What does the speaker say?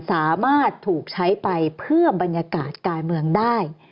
สามารถถูกใช้ไปเพื่อบรรยากาศการเมืองได้